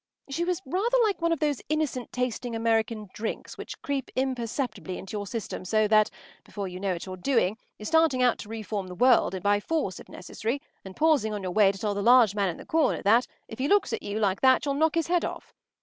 She was rather like one of those innocent tasting American drinks which creep imperceptibly into your system so that, before you know what you’re doing, you’re starting out to reform the world by force if necessary and pausing on your way to tell the large man in the corner that, if he looks at you like that, you will knock his head off.